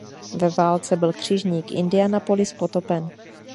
Ve válce byl křižník "Indianapolis" potopen.